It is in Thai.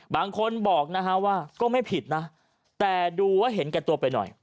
บางคนบอกนะฮะว่าก็ไม่ผิดนะแต่ดูว่าเห็นแก่ตัวไปหน่อย